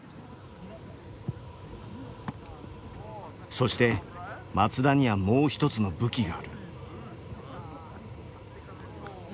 そして松田にはもう一つの武器がある。